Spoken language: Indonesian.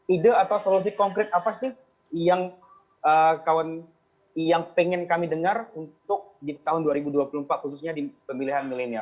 ide atau solusi konkret apa sih yang kawan yang pengen kami dengar untuk di tahun dua ribu dua puluh empat khususnya di pemilihan milenial